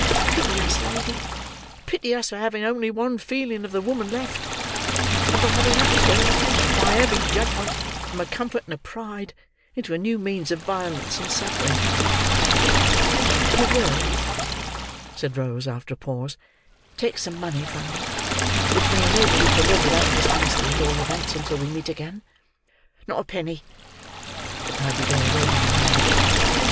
Pity us, lady—pity us for having only one feeling of the woman left, and for having that turned, by a heavy judgment, from a comfort and a pride, into a new means of violence and suffering." "You will," said Rose, after a pause, "take some money from me, which may enable you to live without dishonesty—at all events until we meet again?" "Not a penny," replied the girl, waving her hand.